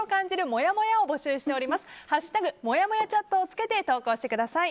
「＃もやもやチャット」をつけて投稿してください。